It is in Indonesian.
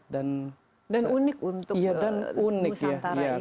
dan unik untuk pusantara ini